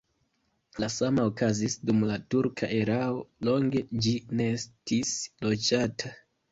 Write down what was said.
La sama okazis dum la turka erao, longe ĝi ne estis loĝata.